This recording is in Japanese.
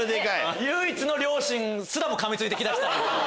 唯一の良心すらもかみついてき出した。